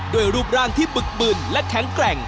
รูปร่างที่บึกบึนและแข็งแกร่ง